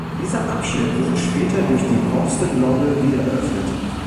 Dieser Abschnitt wurde später durch die Boston&Lowell wiedereröffnet.